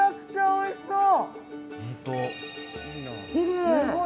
おいしそう！